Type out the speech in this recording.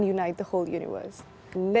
dan menggabungkan seluruh dunia